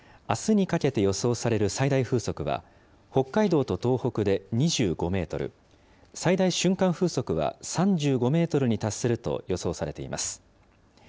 あすにかけて予想される最大風速は、北海道と東北で２５メートル、最大瞬間風速は３５メートルに達すると予想されています。